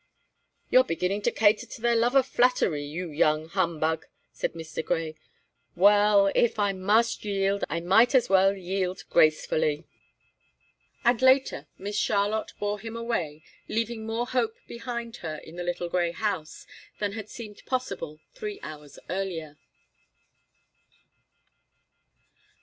"You're beginning to cater to their love of flattery, you young humbug," said Mr. Grey. "Well, if I must yield, I might as well yield gracefully." And later Miss Charlotte bore him away, leaving more hope behind her in the little grey house than had seemed possible three hours earlier.